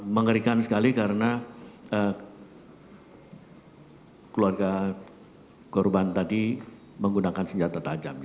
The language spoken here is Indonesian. mengerikan sekali karena keluarga korban tadi menggunakan senjata tajam